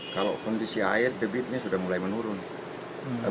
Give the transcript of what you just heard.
kalau kondisi air debitnya sudah mulai menurun